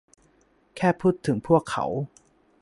แค่พูดถึงพวกเขา